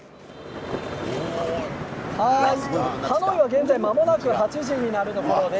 ハノイは現在まもなく８時になるところです。